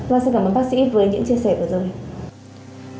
vâng xin cảm ơn bác sĩ với những chia sẻ vừa rồi